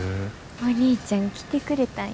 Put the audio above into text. お兄ちゃん来てくれたんやな。